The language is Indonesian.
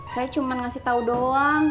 saya cuma ngasih tahu doang